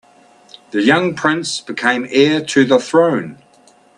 The young prince became heir to the throne.